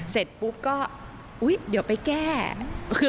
เสร็จปุ๊บก็อุ๊ยเดี๋ยวไปแก้